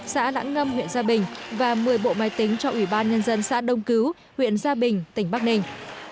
xã lãng ngâm huyện gia bình và một mươi bộ máy tính cho ủy ban nhân dân xã đông cứu huyện gia bình tỉnh bắc ninh